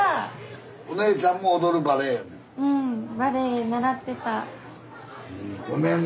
おねえちゃんも踊るバレエやねん。